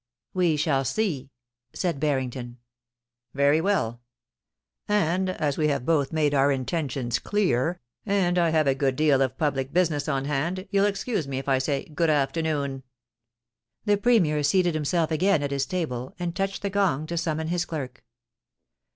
* We shall see,' said Barrington. * Very well ! and as we have both made our intentions clear, and I have a good deal of public business on hand, you'll excuse me if I say good afternoon.' The Premier seated himself again at his table, and touched the gong to summon his clerk.